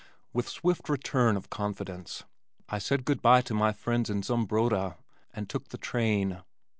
With swift return of confidence, I said good bye to my friends in Zumbrota and took the train.